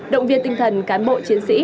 động viên tinh thần cán bộ chiến sĩ